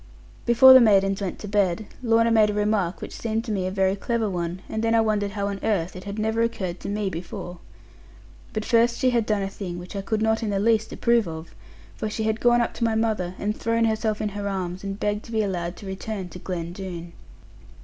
Before the maidens went to bed, Lorna made a remark which seemed to me a very clever one, and then I wondered how on earth it had never occurred to me before. But first she had done a thing which I could not in the least approve of: for she had gone up to my mother, and thrown herself into her arms, and begged to be allowed to return to Glen Doone.